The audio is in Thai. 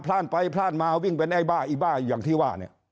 พลาดไปพลาดมาวิ่งเป็นไอ้บ้าอีบ้าอย่างที่ว่าเนี่ย